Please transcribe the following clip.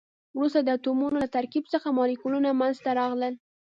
وروسته د اتمونو له ترکیب څخه مالیکولونه منځ ته راغلل.